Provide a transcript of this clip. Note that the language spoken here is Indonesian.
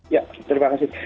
ya terima kasih